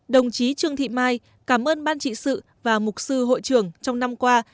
đồng chí trương thị mai cảm ơn ban trị sự và mục sư hội trưởng trong năm qua